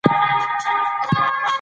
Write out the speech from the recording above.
متون د خپل عصر ژبه تميثلوي.